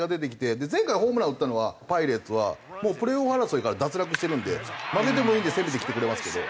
で前回ホームラン打ったのはパイレーツはもうプレーオフ争いから脱落してるんで負けてもいいので攻めてきてくれますけど。